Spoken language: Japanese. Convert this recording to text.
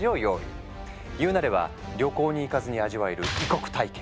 言うなれば旅行に行かずに味わえる異国体験。